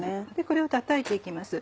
これをたたいて行きます。